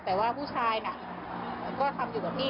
แต่ว่าผู้ชายน่ะก็ทำอยู่กับพี่